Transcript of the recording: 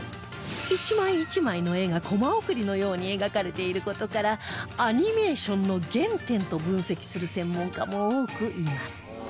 一枚一枚の絵がコマ送りのように描かれている事からアニメーションの原点と分析する専門家も多くいます